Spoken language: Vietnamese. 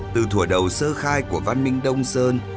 từ thủ đầu sơ khai của văn minh đông sơn